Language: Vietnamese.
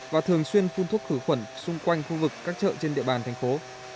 và thường xuyên phun thuốc khử khuẩn xung quanh khu vực các chợ trên địa bàn thành phố